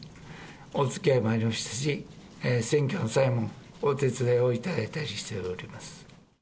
おつきあいもありましたし、選挙の際もお手伝いをいただいたりしております。